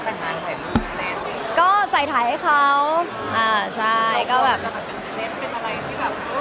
เป็นอะไรที่แบบรู้ใส่ความแข็งอะไรแบบนี้